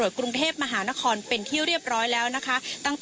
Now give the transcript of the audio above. เจอเลยค่ะ